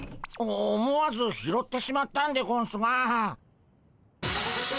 お思わず拾ってしまったんでゴンスが。